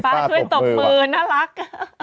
ช่วยตบมือน่ารัก